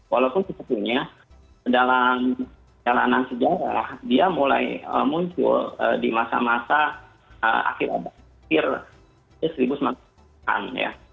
walaupun sebetulnya dalam jalanan sejarah dia mulai muncul di masa masa akhir akhir seribu sembilan ratus an ya